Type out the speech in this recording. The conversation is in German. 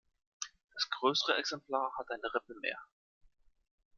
Das größere Exemplar hat eine Rippe mehr.